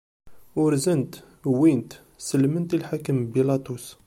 Urzen-t, wwin-t, sellmen-t i lḥakem Bilaṭus.